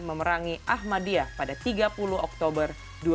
memerangi ahmadiyah pada tiga puluh oktober dua ribu delapan